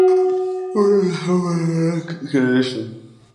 Un revisor para la Next Generation.